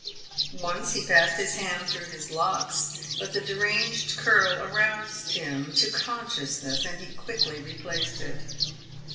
Once he passed his hand through his locks, but the deranged curl aroused him to conscious ness, and he quickly replaced it.